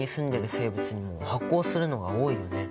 生物にも発光するのが多いよね。